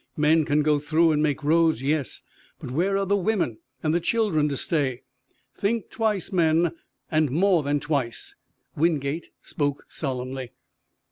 Men can go through and make roads yes; but where are the women and the children to stay? Think twice, men, and more than twice!" Wingate spoke solemnly.